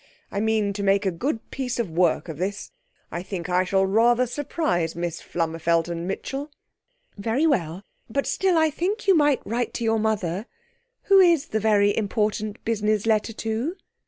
I mean to make a good piece of work of this. I think I shall rather surprise Miss Flummerfelt and Mitchell.' 'Very well; but still I think you might write to your mother. Who is the very important business letter to?'